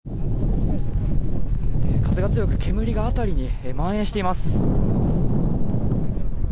風が強く、煙が辺りに蔓延しています。